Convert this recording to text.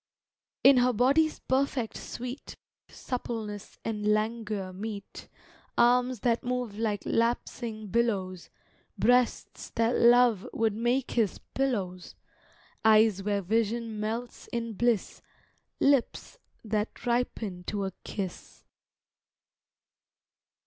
In her body's perfect sweet Suppleness and languor meet, Arms that move like lapsing billows, Breasts that Love would make his pillows, Eyes where vision melts in bliss, Lips that ripen to a kiss.